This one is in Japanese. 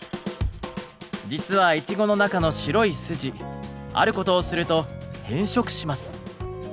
実はイチゴの中の白い筋あることをすると変色します。